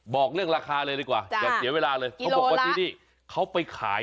บอกเรื่องราคาเลยดีกว่าอย่าเสียเวลาเลยเขาบอกว่าที่นี่เขาไปขาย